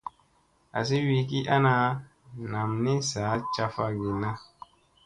Azi wi ki ana nam ni sa caffa ginna.